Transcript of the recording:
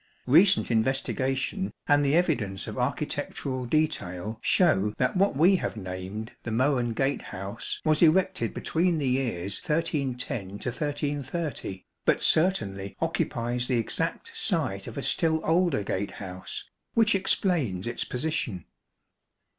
Eecent investigation and the evidence of architectural detail show that what we have named the Mohun Gatehouse was erected between the years 1310 1330, but certainly occupies the exact site of a still older gatehouse, which explains its position.